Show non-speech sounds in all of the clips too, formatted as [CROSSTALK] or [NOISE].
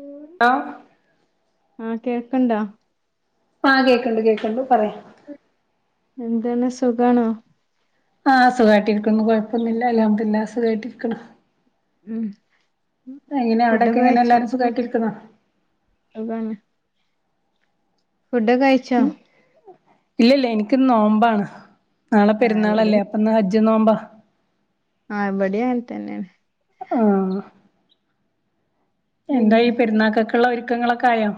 ഉം ആഹ് ആഹ് കേക്കൺണ്ടാ ആഹ് കേക്കൺണ്ട് കേക്കൺണ്ട് പറയ് എന്താണ് സുഖാണോ ആഹ് സുഖായിട്ടിരിക്കുന്നു കൊഴപ്പൊന്നൂല്ല അൽഹംദുലില്ലാ സുഖായിട്ടിരിക്കിണു ഉം എങ്ങനാ അവിടൊക്കെ ഫുഡൊക്കെ കഴിച്ചോ ഇങ്ങനാല്ലാരും സുഖായിട്ടിരിക്കണോ സുഖാണ് ഫുഡ് കഴിച്ചോ ഇല്ലില്ല എനിക്ക് നോമ്പാണ് നാളെ ആഹ് പെരുന്നാളല്ലേ ഇവിടെയും അപ്പ്ന്ന് ഹജ്ജ് നോമ്പാ ആഹ് ഇവിടേം അങ്ങൻതന്നെയാണ് ആഹ് എന്തായി പിന്നെ പെരുന്നാക്കൊക്ക്‌ള്ള ഒരുക്കങ്ങളൊക്കെ ആയോ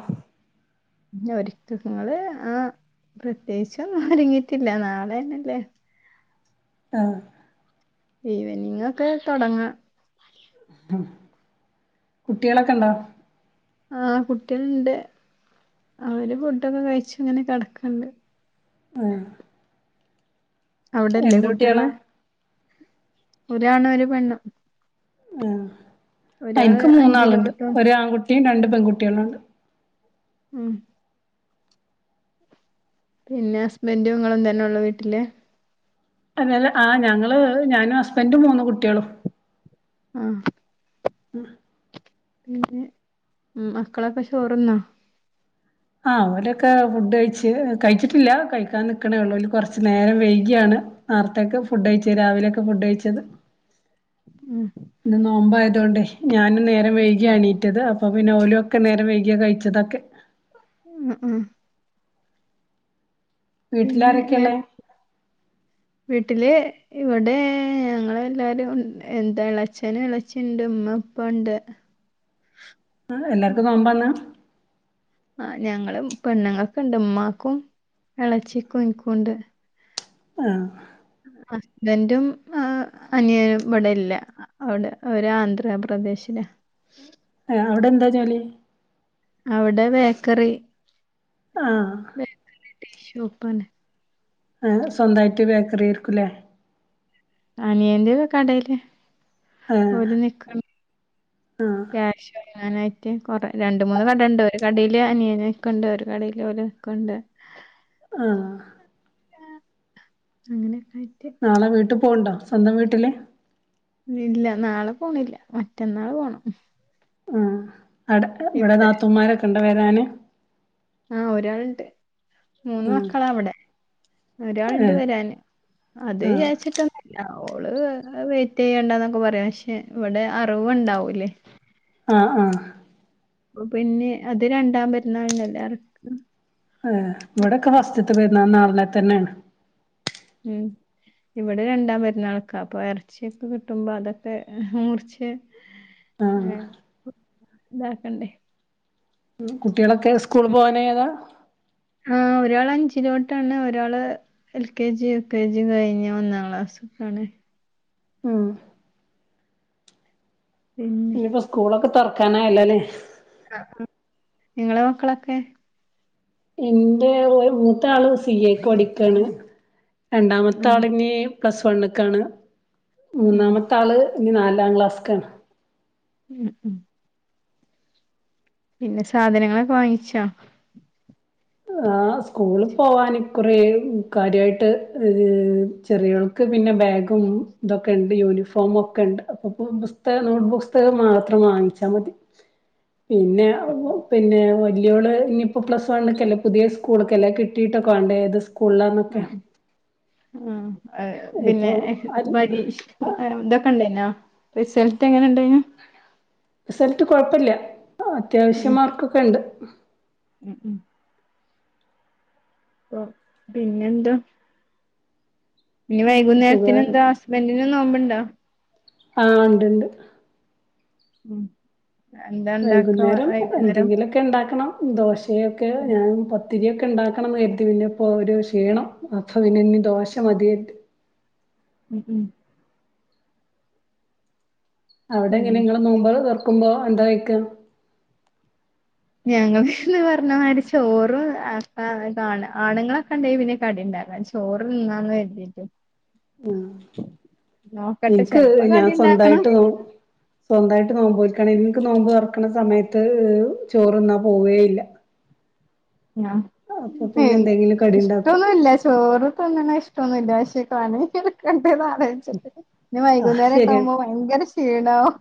ഇല്ല ഒരുക്കങ്ങള് ആഹ് പ്രത്യേകിച്ചൊന്നും ഒരുങ്ങീട്ടില്ല നാളെന്നെല്ലേ ആഹ് ഈവെനിംങ്ങൊക്കെ തൊടങ്ങാ കുട്ടികളക്കെണ്ടോ ആഹ് കുട്ടികള്ണ്ട് അവര് ഫുഡൊക്കെ കഴിച്ച്ങ്ങനെ കെടക്കൺണ്ട് ആഹ് അവിടില്ലേ കുട്ടികളാ കുട്ടികള് ഒരാണും ഒരു പെണ്ണും ആഹ് ഒരാള് എനിക്ക് മൂന്നാള്ണ്ട് അഞ്ചിലോട്ടും ഒരു ആൺകുട്ടിം രണ്ട് പെൺകുട്ടിയളുംണ്ട് ഉം പിന്നെ ഹസ്ബൻഡും ഇങ്ങളും തന്നെയൊള്ളു വീട്ടില് തല്ല ആഹ് ഞങ്ങള് ഞാനും ഹസ്ബന്ഡും മൂന്ന് കുട്ട്യാളും ആഹ് ഉം ന്നെ ഉം മക്കളൊക്കെ ചോറ്ന്നോ ആഹ് ഓരൊക്കെ ഫുഡ് കഴിച്ച് കഴിച്ചിട്ടില്ല കഴിക്കാൻ നിക്കണൊള്ളൂ ഓര് കൊറച്ചു നേരം വൈക്യാണ് നാർത്തേക്കെ ഫുഡ് കഴിച്ച രാവിലൊക്കെ ഫുഡ് കഴിച്ചത് ഉം ഇന്ന് നോമ്പായതോണ്ടേ ഞാനും നേരം വൈകിയാ ണീറ്റത് അപ്പൊ പിന്നെ ഓലൊക്കെ നേരം വൈകിയ കഴിച്ചതൊക്കെ ഉം ഉം പിന്നെ വേറെ വീട്ടിലാരൊക്കെള്ളേ വീട്ടില് ഇവടെ ഞങ്ങള എല്ലാരും എന്താ എളച്ചനും എളച്ചി ണ്ട് ഉമ്മ ഇപ്പ ണ്ട് ആ എല്ലാർക്കും നോമ്പന്നാ ആഹ് ഞങ്ങള് പെണ്ണുങ്ങൾക്ക്ണ്ട് മ്മാക്കും ഇളച്ചിക്കും ഇക്കുംണ്ട് ആഹ് ഹസ്ബൻറും ആഹ് അനിയനും ഇവിടെല്ല അവിടെ ഒരു ആന്ധ്രാപ്രദേശില ആഹ് അവിടെ എന്താ ജോലി അവടെ ബേക്കറി ആഹ് [INAUDIBLE] ഷോപ്പാണ് ഏഹ് സ്വന്തായിട്ട് ബേക്കറി ആരിക്കുല്ലേ അനിയന്റെ കടെല്‌ ഏഹ് അടെ നിക്കാണ് ആഹ് ക്യാഷ് വങ്ങാനായിട്ട് കൊറ രണ്ട്മൂന്ന് കടണ്ട് ഒരു കടയില് അനിയനിക്ക്ണ്ട് ഒരു കടയില് ഓല് ക്ക്ണ്ട് ആഹ് അങ്ങനെയൊക്കൊയിട്ട് നാളെ വീട്ട് പോവ്ണ്ടോ സ്വന്തം വീട്ടില് ഇല്ല നാളെ പോണില്ല്യ മറ്റന്നാള് പോണം അടെക്കെ ഇവിടെ നാത്തൂമാരൊക്കെണ്ടോ വെരാന് ആഹ് ഒരാള്ണ്ട് മൂന്ന് മക്കള അവിടെ ഒരാള്ണ്ട് ഏഹ് വരാന് അത് വിചരിച്ചിട്ട ഓള് വെയിറ്റ് ചെയ്യണ്ടന്നൊക്കെ പറയും പക്ഷെ ഇവിടെ അറവ്ണ്ടാവൂലേ ആഹ് ആഹ് പൊ പിന്നെ അത് രണ്ടാം പെരുന്നാളിനല്ലാര് അഹ് ഇവിടെക്കെ ഫസ്റ്റ്ത്തെ പെര്ന്നാൾന് [UNINTELLIGIBLE] തന്നെയാണ് ഉം ഇവിടെ രണ്ടാം പെരുന്നാൾക്ക അപ്പൊ ഇറച്ചിയൊക്കെ കിട്ടുമ്പോ അതൊക്കെ മുറിച്ച് ഉം [INAUDIBLE] ആഹ് താക്കണ്ടേ കുട്ടികളൊക്കെ സ്കൂളിൽ പോവാനായതാ ആഹ് ഒരാള് അഞ്ചിലോട്ടാണ് ഒരാള് L K G U K ജിയും കഴിഞ്ഞു ഒന്നാം ക്ലാസുക്കാണ് ഉം പിന്നെ ഇനിയിപ്പോ സ്കൂളൊക്കെ തൊറക്കാനായല്ലോ അല്ലേ നിങ്ങടെ മക്കളൊക്കെ എന്റെ ഒരു മൂത്ത ആള് സി എക്ക് പഠിക്കാണ് ഉം രണ്ടാമത്തെ ആള് ഇനിയും പ്ലസ് വണ്ണുക്കാണ് ഉം മൂന്നാമത്തെ ആള് ഇനി നാലാം ക്ലാസ്ക്കാണ് ഉം ഉം പിന്നെ സാധനങ്ങളൊക്കെ വാങ്ങിച്ചോ ആഹ് സ്കൂളിൽ പോവാൻ കുറേ കാര്യവായിട്ട് ഏ ചെറിയ ക്ക് പിന്നെ ബാഗും ഇതൊക്കെ ഉണ്ട് യൂണിഫോമ് ഒക്കെ ഉണ്ട് അപ്പോ പുസ്തകം നോട്ട് പുസ്തകം മാത്രം വാങ്ങി ച്ചാ മതി പിന്നെ പിന്നെ വല്ലിയവള് ഇനിയിപ്പോ പ്ലസ് വണ്ണുക്കല്ലേ പുതിയ സ്കൂൾക്കല്ലേ കിട്ടീട്ടൊക്കെ വേണ്ടേ അത് ആഹ് ആഹ് ഇപ്പൊ പിന്നെ അത് പരീ ഇതൊക്കെ ഉണ്ടായിനോ റിസൽട്ട് എങ്ങനെ ഉണ്ടായിനു റിസൾട്ട് കുഴപ്പവില്ല ഉം അത്യാവശ്യം മാർക്കൊക്കെ ഉണ്ട് ഉം ഉം പിന്നെന്താ ഇനി പിന്നെ വൈകുന്നേരത്തിന് സുഖാണ് എന്താ ഹസ്ബന്റിന് നോമ്പുണ്ടോ ആഹ് ഉണ്ട് ഉണ്ട് ഉം എന്താ ഉണ്ടാക്കുക വൈകുന്നേരം ഒക്കെ ഉണ്ടാക്കണം ദോശയൊക്കെ ഉം ഞാൻ പത്തിരിയൊക്കെ ഉണ്ടാക്കണോന്ന് കരുതി പിന്നെ ഇപ്പോ ഒരു ക്ഷീണം അപ്പൊ പിന്ന ഇന്ന് ദോശ മതി [UNINTELLIGIBLE] ഉം ഉം അവിടെ എങ്ങനെ ഉം നിങ്ങള് നോമ്പ് തൊറക്കുമ്പോ എന്താ കഴിക്കാ ഞങ്ങ അന്ന് പറഞ്ഞ മാതിരി ചോറ് ആക്കാം ഇതാണ് ആണുങ്ങളൊക്കെ ഉണ്ടെങ്കിൽ പിന്നെ കടി ഉണ്ടാക്കാന്ന് വെച്ച് ചോറ് തിന്നാന്ന് കരുതിയിട്ട് ആ നോക്കട്ടെ എനിക്ക് ചെലപ്പോ ഞാൻ കടി ഇണ്ടാക്കണം സ്വന്തായിട്ട് സ്വന്തവായിട്ട് നോമ്പ് നോൽക്കണെ എന്നിട്ട് നോമ്പ് തുറക്കണ സമയത്ത് ചോറുണ്ണാൻ പോവേയില്ല അപ്പൊ പിന്നെ ആഹ് എന്തെങ്കിലും കടി ഇണ്ടാക്കും ഇഷ്ടൊന്നുവില്ല ചോറ് ക്ക് തിന്നുന്നത് ഇഷ്ടവൊന്നുവില്ല പക്ഷേ പണിയെടുക്കണ്ടേന്ന് ആലോചിച്ചിട്ട് ഇനി ആഹ് വൈകുന്നേരവൊക്കെ ശരിയാണ് ആകുമ്പോ ഭയങ്കര ക്ഷീണവും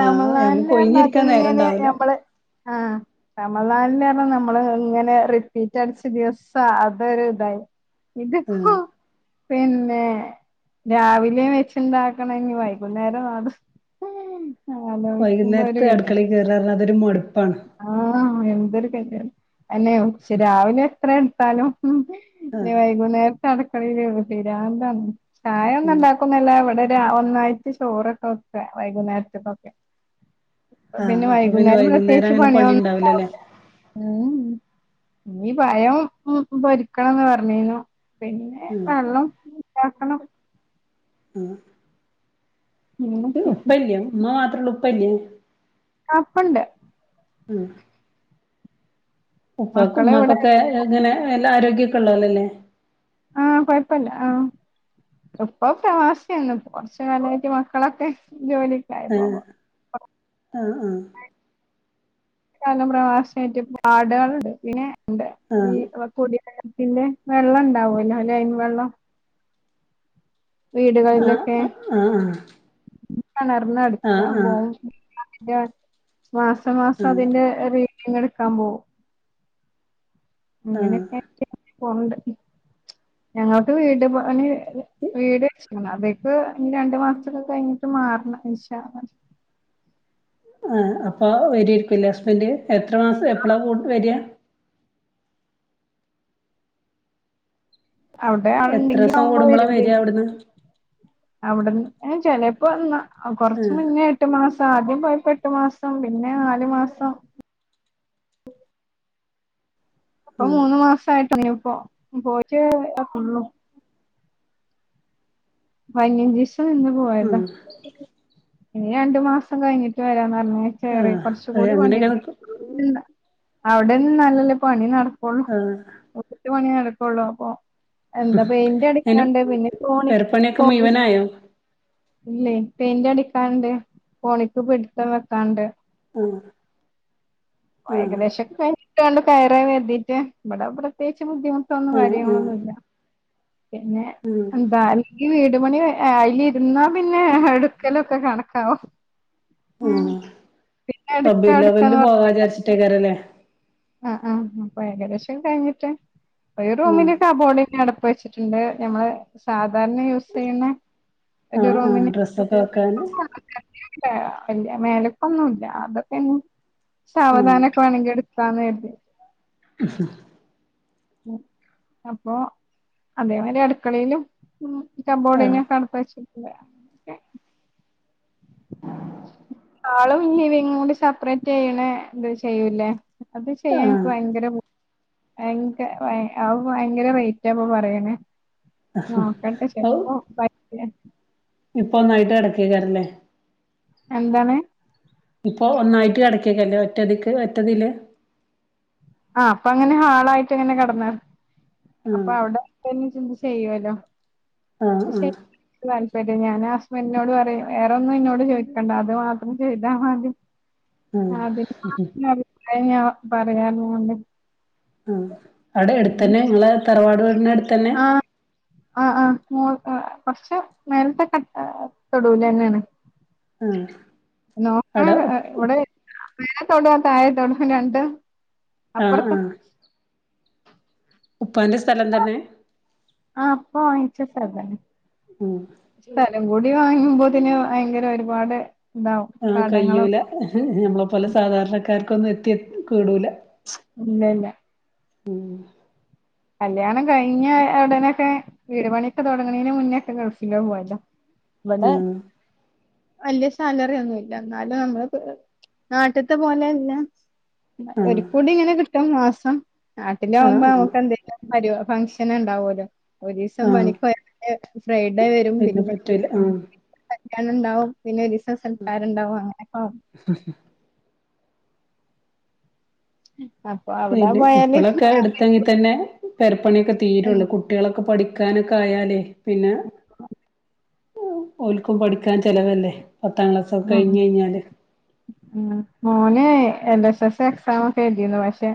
ആഹ് നമുക്ക് പറഞ്ഞാല് ഒഴിഞ്ഞിരിക്കാൻ അതിങ്ങനെ നേരണ്ടാവൂല ഞമ്മള് ആഹ് റമദാനില് പറഞ്ഞാല് ന നമ്മള് ഇങ്ങനെ റിപ്പീറ്റ് അടിച്ച ദിവസം അതൊരു ഇതായി ഇതിപ്പോ പിന്നെ രാവിലെയും വെച്ചിണ്ടാക്കണം ഇനി വൈകുന്നേരം അതും ആലോചിക്കുമ്പോ ഒരു വൈകുന്നേരത്ത് അടുക്കളെ വ്യഥയാണ് കേറാ പറഞ്ഞാ അതൊരു മടുപ്പാണ് ആഹ് എന്തൊരു [UNINTELLIGIBLE] അല്ലയോ പക്ഷെ രാവിലെ എത്ര എടുത്താലും ഇനി വൈകുന്നേരത്തെ അടക്കള [UNINTELLIGIBLE] പിരാന്ത് ആണ് ചായ ഒന്ന് ഉം ഇണ്ടാ ക്കുന്നല്ല ഇവിടെ രാ ഒന്നായിട്ട് ചോറൊക്കെ വക്കുവാ വൈകുന്നേരത്തേക്കൊക്കെ പിന്നെ ആഹ് അപ്പൊ വൈകുന്നേരം പ്രത്യേകിച്ച് അങ്ങനെ പണി പണിയൊന്നും ഇണ്ടാവൂലല്ലേ ഉണ്ടാവൂല ഉം ഇനി പഴം പൊരിക്കണോന്ന് പറഞ്ഞിരുന്നു പിന്നെ ഉം വെള്ളം ഉണ്ടാക്കണം. ആഹ്. ക് അങ്ങനൊക്കെ ഉപ്പല്യേ ഉമ്മ മാത്രൊള്ളൂ ഉപ്പല്യേ? ആഹ് ഉപ്പ ണ്ട്. ഉം. ഉപ്പാ മക്കള് ഇവിടെ ഉമ്മാക്കൊക്കെ ഇങ്ങനെ എല്ലാ ആരോഗ്യൊക്കെ ഉള്ളോലല്ലേ? ആഹ് കൊയ്പ്പല്ല ആഹ് ഉപ്പ പ്രവാസിയാണ് കൊറച്ചു കാലായിട്ട് മക്കളൊക്കെ ജോലി ഏഹ് ആഹ് ആഹ്. കാലം പ്രവാസിയായിട്ട് പ്പ ആടേള്ണ്ട് പിന്നെ [UNINTELLIGIBLE] ണ്ട് ആഹ് ഈ വെ കുടിവെള്ളത്തിന്റെ വെള്ളണ്ടാവൊല്ലോ ലൈൻ വെള്ളം. വീടുകളിലൊക്കെ. ആഹ് ആഹ് ആഹ് ആഹ് കെണർന്നടിച്ചാൻ ആഹ് പോവും. ആഹ് ഇന്നാ അതിന്റെ മാസം മാസം ആഹ് അതിന്റെ ഒരി ങ്ങെട്ക്കാൻ പോവും. ആഹ് അങ്ങനെക്കെയ്റ്റ് പോവ്ണ്ട്. ഞങ്ങൾക്ക് വീട് പണി അത് വീട് വെച്ച്ക്ക്ണ് അതീക്ക് ഇഞ്ഞ് രണ്ടു മാർച്ചൊക്കെ കഴിഞ്ഞിട്ട് മാറണം. ഇൻശാള്ളാഹ്. അഹ് അപ്പാ വെരേര്ക്കുലേ ഹസ്ബൻഡ്? എത്ര മാസ് എപ്പളാ കു വെരാ? അവ്ടെ ആള്ണ്ടെങ്കി എത്രസം ആവുമ്പം കൂടുമ്പളാ വരും വരാ പിന്നെ. അവ്ട്ന്ന് അവിട്ന്ന് എഹ് ചെലേപ്പന്നാ കൊറ്ച്ച് മുന്നേ എ ട്ട് മാസം ആദ്യം പോയപ്പോ എട്ടു മാസം പിന്നെ നാല് മാസം ഇപ്പൊ മൂന്ന് മാസയിട്ടൊള്ളുപ്പം പോയിട്ടെ ഒള്ളൂ. പയ്നഞ്ചീസം നിന്ന് പോയതാ. ഇനി രണ്ടു മാസം കഴിഞ്ഞിട്ട് വരാന്ന് പർഞ്. കേറെ ആഹ് കൊറ്ച്ചു ആഹ് കൂടി അങ്ങനെയൊക്കെ പണിണ്ട്. നിക്കും [UNINTELLIGIBLE] അവ്ടെ നിന്നാല്ലല്ലേ പണി നടക്കൊള്ളു. ആഹ് ഇവെട്ത്തെ പണി നടക്കൊള്ളൂ അപ്പൊ. എന്താ പെയിന്റടിക്കാണ്ട് പിന്നെ കോണി പണിയൊക്കെ കോണി മുഴുവനായോ? ഇല്ലേ പെയിന്റടിക്കാണ്ട്, കോണിക്ക് പിടിത്തം വെക്കാണ്ട്. ആഹ് ഇപ്പ ഏകദേശൊക്കെ കഴിഞ്ഞിട്ടാണ്ട് കയറാ കര്തീട്ട്. ഇവടെ പ്രത്യേച്ച് ബുദ്ധിമു ട്ടൊന്നു ആഹ് ആഹ് കാര്യങ്ങളൊന്നുല്ല. പിന്നെ ഉം എന്താ അല്ലെങ്കി വീടു പണി എ ആ അയിലിരുന്നാ പിന്നെ എടുക്കലൊക്കെ കണക്കാവും. ഉം ആഹ്. പിന്നെ എടുക്ക റബീഉൽ അവ്വല് എടുക്കാന്ന് ല് പോകാ വിചാരിട്ടേക്കാര ല്ലേ? ആഹ് ആഹ്. അപ്പൊ ഏകദേശൊക്കെ കഴിഞ്ഞിട്ട്. ഒരു ഉം റൂമില് കബോർഡിനട് പ് വെച്ചിട്ട്ണ്ട്. നമ്മള് സാധാരണ യൂസെയ്യ്ണെ. ഒരു ആഹ് ആഹ് റൂമിന് ഡ്രസ്സൊക്കെ വെക്കാന് [UNINTELLIGIBLE] ഇല്ലാ ഇല്ല മേലെക്കൊന്നുല്ല അതൊക്കെഞ്ഞ് ആഹ് സാവധാനൊക്കെ വാണെങ്കി ഇട് ക്കാന്ന് കെര്തി. അആഹ് ഉം. അപ്പോ അതേമായിരി അട്ക്കളീലും ഉം ആഹ് കബോർഡിനൊക്കെ അടപ്പ് വെച്ചിട്ടില്ല ഒക്കെ ഹാളും ലിവിങ്ങും കൂടി സെപ്പറേറ്റെയ്യ്ണെ ഇത് ചെയ്യൂല്ലേ? അത് ചെയ്യാൻ ഇൻക്ക് ആഹ് ഭയങ്കര പൂ ഭയങ്ക ഭയ അത് ഭയങ്കര റെയ്റ്റാപ്പൊ പറയ്ണെ. നോക്കട്ടെ ഔ ശരിക്കും ഒറപ്പായിട്ടില്ല ഇപ്പൊ ഒന്നായിട്ട് കെടക്കയ്ക്കാരല്ലേ? എന്താണ്? ഇപ്പൊ ഒന്നായിട്ട് കെട്ക്കയ്ക്കാരല്ലേ ഒറ്റടിക്ക് ഒറ്റതില്? ആഹ് ഇപ്പങ്ങനെ ഹാളായിട്ട്ങ്ങനെ കട്ന്ന് അപ്പൊ ആഹ് അവ്ടെ പൊന്നിചിന്തി ചെയ്യുവല്ലോ ആഹ് അത് ആഹ് ശരി ഇൻക്ക് താല്പര്യം ഞാന് ഹസ്ബൻ്റിനോട് പറിയും വേറൊന്നും ഇന്നോട് ചോയിക്കണ്ട അത് മാത്രം ചെയ്താമതി ആഹ് അതിന് മാത്രം അഭിപ്രായം ഞാൻ പറയാർഞ്ഞോണ്ട് ആഹ് അവ്ടെ എടുത്തന്നെ ഇങ്ങളെ തറവാട് വീടിന്റെ എട് ആഹ് ആഹ് ആഹ് മോൾക്ക് കൊറ്ച്ച് മേലത്തെ ക്ക തൊടൂലെന്നേണ്. ആഹ് നോക്ക അവിടെ ഇവടെ മേലെ തൊടോ താഴെ തൊടോ രണ്ടും ആഹ് അപ്പുറത്ത് ആഹ് ഉപ്പാന്റെ സ്ഥലം തന്നെ? ആഹ് ഇപ്പ വാങ്ങിച്ച സ്ഥലാണ്. ഉം സ്ഥലം കൂടി വാങ്ങുമ്പോത്തിന് ഭയങ്കര ഒരുപാട് ഇതാവും ആഹ് കയ്യൂല കടങ്ങളൊക്കെ ഞമ്മളെ പോലെ സാധാരണക്കാർക്കൊന്നും എത്തിയ കൂടൂല. ഇല്ല ഇല്ല കല്യാണം കഴിഞ്ഞ ഒടനൊക്കെ വീട് പണിയൊക്കെ തൊടങ്ങണേന് മുന്നക്കെ ഗൾഫിലൊക്കെ പോയത. ഇബടെ ആഹ് വല്ല്യ സാലറിയൊന്നും ഇല്ല ഇന്നാലും നമ്മള് നാട്ടത്തെ പോലെയല്ല ഇബടെ ആഹ് ഒരു കൂടി ഇങ്ങനെ കിട്ടും മാസം, ആഹ് നാട്ടിലാവുമ്പോ ആഹ് നമുക്ക് എന്തേ ലും പരി ഫംഗ്ഷന്ണ്ടാവോല്ലോ? ഒരീസം ആഹ് പണിക്കോയ പിന്നെ ഫ്രൈഡേ വരും പിന്നെ പറ്റൂല ആഹ് കല്യാണംണ്ടാവും പിന്നെ ഒരീസം സൽക്കാരുണ്ടാവും അങ്ങനെക്കാവുമ്പം ഹും ഹും അപ്പൊ അവിടെ പിന്നെ പോയാല് ഇപ്പളൊക്കെ എടു ത്തെങ്കി തന്നെ പെരപ്പണിയൊക്കെ തീരൊള്ളൂ എന്ത് കുട്ടികളൊക്കെ പഠിക്കാനൊക്കെ ആയാലേ പിന്നെ ഒല്ക്കും പഠിക്കാൻ ചെലവല്ലേ? പത്താം ക്ലാസൊക്കെ ഉം കഴിഞ്ഴിഞ്ഞാല് ഉം മോന് എൽ എസ് എസ് എക്സാമൊക്കെ എഴുതിന്ന് പക്ഷെ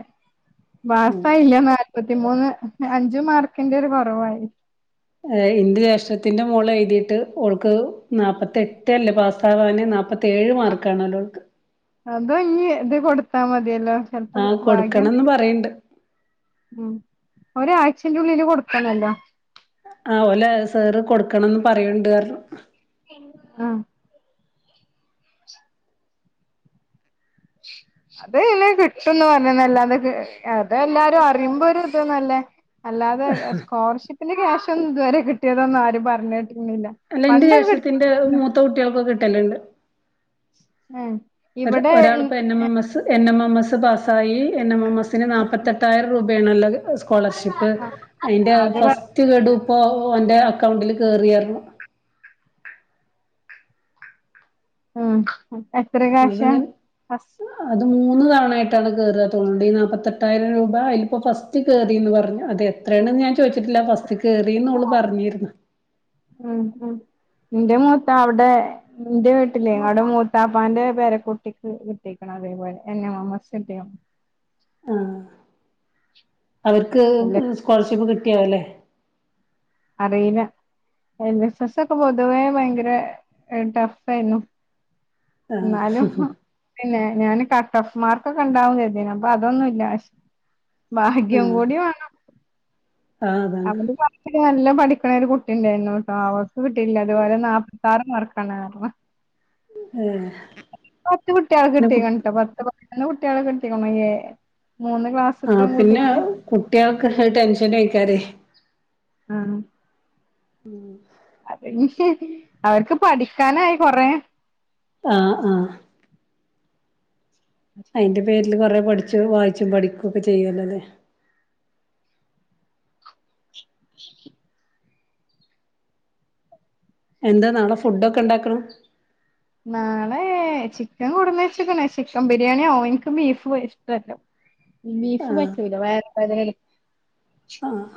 പാസ്സായില്ല നാല്പത്തിമൂന്ന് അഞ്ചു മാർക്കിന്റെ ഒരു കൊറവായി അതെ ഇന്റെ ജേഷ്ട്ടത്തിന്റെ മോള് എഴുതിയിട്ട് ഓൾക്ക് നാല്പത്തി എട്ടല്ലേ പാസ്സവാന് നാപ്പ ത്തേഴ് മാർക്കാണോലോ ഓൾക്. അത് ഇഞ്ഞ് ഇത് കൊടുത്താ മതിയല്ലോ ചെൽപ്പോ ഭാഗ്യം ന്നും പറയണ്ട് ഉം ഒരാഴ്ച്ചന്റെ ഉള്ളില് കൊടുക്കണല്ലോ ആഹ് ഓലെ സാറ് കൊടുക്കണംന്ന് പറയ്ണ്ട് പറഞ്ഞു. ആഹ് [INAUDIBLE] [INAUDIBLE] അത് പിന്നെ കിട്ടുംന്ന് പറഞ്ന്നല്ലാതെ അത് എല്ലാരും അറിയുമ്പോ ഒരു ഇത് ന്നല്ലേ അല്ലാതെ സ്കോളർഷിപ്പിന്റെ ക്യാഷ് ഒന്നും ഇതുവരെ കിട്ടിയതൊന്നും ആരും പറഞ്ഞേട്ടിണില്ല. അല്ല എന്റെ ജേഷ്ടത്തിന്റെ മൂത്ത കുട്ട്യാൾക്കൊക്കെ കിട്ടല്ണ്ട് ഉം ഒര് ഇവിടെ ഒരാളിപ്പൊ N M M S N M M S പാസ്സായി എൻ എം എം എസിന് നാൽപ്പത്തെട്ടായിരം രൂപേണ്ള്ളത് സ്കോളർഷിപ്പ് അയിന്റെ അത് ഫസ്റ്റ് ഗഡുപ്പോ ഓന്റെ അക്കൗണ്ടിൽ കേറിപറഞ്ഞു ഉം എത്ര ക്യാഷ അത്ങ്ങനെ ഫസ് അത് മൂന്ന് തവണ ആയിട്ടാണ് കേറ തോന്ന ഈ നാല്പ്പത്തെട്ടായിരം രൂപ അയില് അപ്പൊ ഫസ്റ്റ് കേറിന്ന് പറഞ്ഞു അത് എത്രയാണ് ഞാൻ ചോദിച്ചിട്ടില്ല ഫസ്റ്റ് കേറിന്ന് ഓള് പറഞ്ഞിര്ന്ന് ഉം ഉം ഇന്റെ മൂത്ത അവിടെ ഇന്റെ വീട്ടിലേ അവ്ടെ മൂത്താപ്പാന്റെ പേരക്കുട്ടിക്ക് കിട്ടി അതേ പോലെ എൻ എം എം എസ് കിട്ടിയ ആഹ അവർക്ക് സ്കോളർഷിപ്പ് കിട്ടിയാവ അല്ലേ അറീല എൽ എസ് എസ് ഒക്കെ പൊതുവേ ഭയങ്കര ടഫ് ആയിരുന്നു ആഹ് എന്നാലും പിന്നെ ഞാന് കട്ട് ഓഫ് മാർക്കൊക്കെ ഇണ്ടാവും കര്തിന് അപ്പൊ അതൊന്നുല്ല ഭാഗ്യം കൂടി വേണം ആഹ് അതാണ് അവന്റെ ക്ലാസ്സിൽ നല്ല പഠിക്കണ ഒരു കുട്ടി ഉണ്ടായിരുന്നുട്ടോ അവക്ക് കിട്ടില്ല അതുപോലെ നാ പ്പത്താർ മാറ്ക്കാണ് പറഞ്ഞു പത്തു കുട്ടിയൾക്ക് പിന്നെ കു കിട്ടീക്കിക്ക്ണ്ട്ടോ പത്തു പ നൊന്ന് കുട്ടികള കിട്ടിക്ക്ണ് എ മൂന്ന് ക്ലാസ് ആഹ് പിന്നെ കുട്ട്യാൾക്ക് അത്‌ ടെൻഷനെയ്ക്കാരെ ആഹ് ഉം അത് അവർക്ക് പഠിക്കാനായി കൊറേ ആഹ് ആഹ് അയിന്റെ പേരില് കൊറെ പഠിച്ചു വായിച്ചും പഠിക്കും ഒക്കെ ചെയ്യല്ലോലെ [UNINTELLIGIBLE] എന്താ നാളെ ഫുഡ്‌ ഒക്കെ ഇണ്ടാക്ക്ണ് നാളെ ചിക്കൻ കൊടുന്ന് വെച്ച്ക്ക്ണ് ചിക്കൻ ബിരിയാണി ആവും ഇനിക്ക് ബീഫ് ഇഷ്ടല്ല ബീഫു ആഹ് പറ്റൂല വയറ് വേദനേണ് ആഹ്